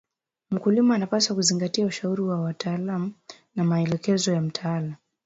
Mkulima anapaswa kuzingatia ushauri wa wataalam na maelekezo ya mtaala